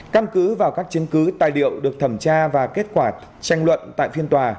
căn cứ vào các chứng cứ tài liệu được thẩm tra và kết quả tranh luận tại phiên tòa